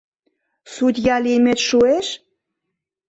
— Судья лиймет шуэш?